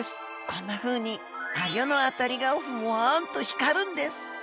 こんなふうにあごの辺りがふわんと光るんです。